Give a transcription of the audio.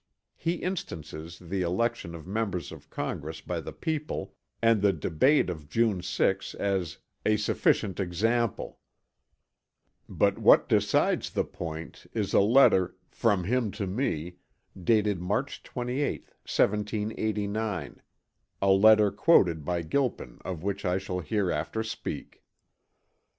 He instances the election of members of Congress by the people, and the debate of June 6 as "a sufficient example." "But what decides the point" is a letter "from him to me" dated March 28, 1789 a letter quoted by Gilpin of which I shall hereafter speak.